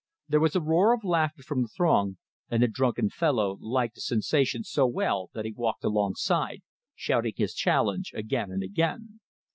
There was a roar of laughter from the throng, and the drunken fellow liked the sensation so well that he walked alongside, shouting his challenge again and again.